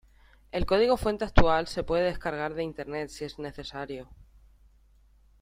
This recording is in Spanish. El código fuente actual se puede descargar de Internet si es necesario.